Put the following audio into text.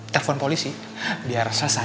telpon polisi biar selesai gitu masalahnya